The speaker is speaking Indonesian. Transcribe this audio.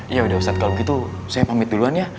ya udah ustadz kalau begitu saya pamit duluan ya